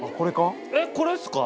えっこれっすか？